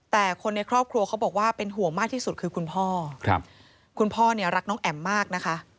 แต่คนในครอบครัวเขาบอกว่าเป็นห่วงมากที่สุดคือคุณพ่อครับคุณพ่อคุณพ่อเนี่ยรักน้องแอ๋มมากนะคะ